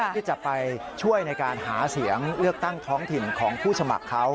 ที่จะไปช่วยในการหาเสียงเลือกตั้งท้องถิ่นของผู้สมัครเขา